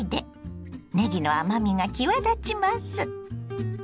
ねぎの甘みが際立ちます。